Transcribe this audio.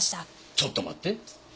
ちょっと待って。